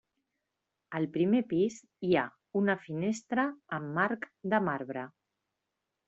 Al primer pis hi ha una finestra amb marc de marbre.